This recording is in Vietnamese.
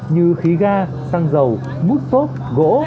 như khí ga xăng dầu mút xốp gỗ